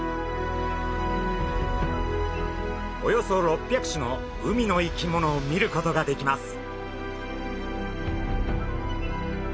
およそ６００種の海の生き物を見ることができます。